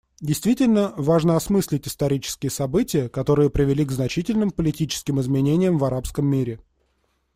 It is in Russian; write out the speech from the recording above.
Действительно, важно осмыслить исторические события, которые привели к значительным политическим изменениям в арабском мире.